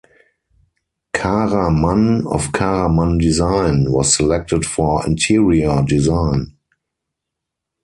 Kara Mann of Kara Mann Design was selected for interior design.